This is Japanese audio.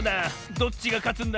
どっちがかつんだ？